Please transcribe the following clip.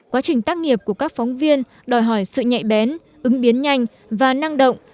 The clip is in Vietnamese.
quá trình tác nghiệp của các phóng viên đòi hỏi sự nhạy bén ứng biến nhanh và năng động